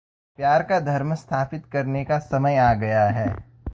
प्यार का धर्म स्थापित करने का समय आ गया है।